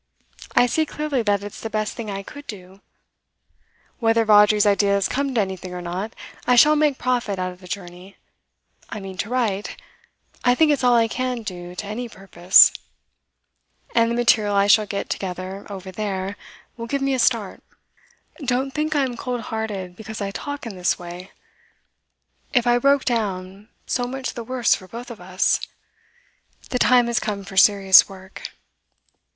I see clearly that it's the best thing I could do. Whether Vawdrey's ideas come to anything or not, I shall make profit out of the journey; I mean to write, I think it's all I can do to any purpose, and the material I shall get together over there will give me a start. Don't think I am cold hearted because I talk in this way; if I broke down, so much the worse for both of us. The time has come for serious work.